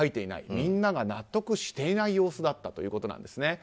みんなが納得していない様子だったということです。